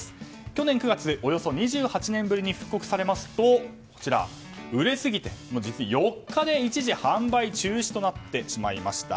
去年９月、およそ２８年ぶりに復刻されますと売れすぎて、実に４日で一時販売中止となってしまいました。